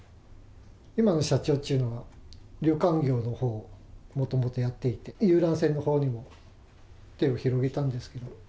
今の社長っていうのは、旅館業のほうをもともとやっていて、遊覧船のほうにも手を広げたんですけど。